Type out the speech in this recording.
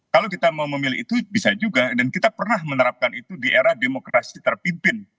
kalau kita mau memilih itu bisa juga dan kita pernah menerapkan itu di era demokrasi terpimpin